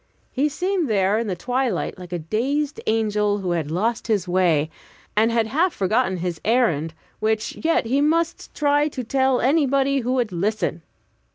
He seemed there in the twilight like a dazed angel who had lost his way, and had half forgotten his errand, which yet he must try to tell to anybody who would listen.